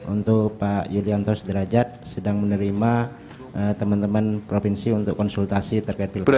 untuk pak yulianto sederajat sedang menerima teman teman provinsi untuk konsultasi terkait pilpres